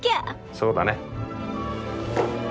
そうだね。